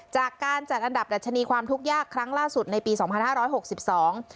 จากการจัดอันดับดัชนีความทุกข์ยากครั้งล่าสุดในปีสองพันห้าร้อยหกสิบสอง